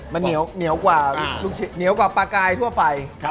มันเหนียวกว่าลูกชิ้นปลากายทั่วไป